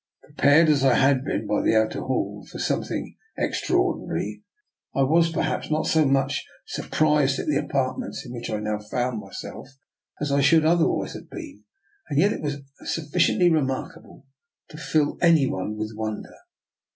Prepared as I had been by the outer hall for something ex traordinary, I was perhaps not so much sur DR. NIKOLA'S EXPERIMENT. 165 prised at the apartment in which I now found myself as I should otherwise have been. And yet it was sufficiently remarkable to fill any one with wonder.